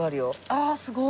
ああすごい！